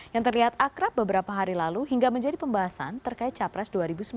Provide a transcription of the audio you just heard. yang terlihat akrab beberapa hari lalu hingga menjadi pembahasan terkait capres dua ribu sembilan belas